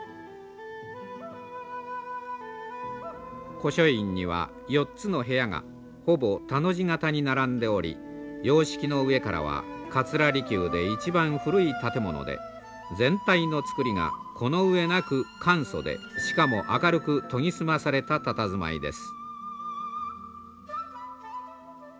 古書院には４つの部屋がほぼ田の字形に並んでおり様式の上からは桂離宮で一番古い建物で全体の造りがこの上なく簡素でしかも明るく研ぎ澄まされたたたずまいです。